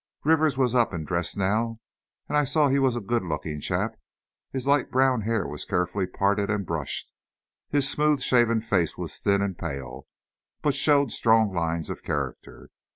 Rivers was up and dressed now, and I saw he was a good looking chap. His light brown hair was carefully parted and brushed; his smooth shaven face was thin and pale, but showed strong lines of character.